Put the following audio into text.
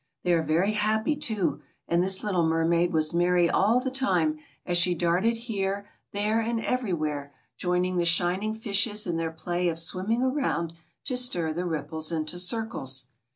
They are very happy, too, and this little mermaid was merry all the time as she darted here, there and everywhere, joining the shining Ashes in their play of swimming around to stir the ripples into circles.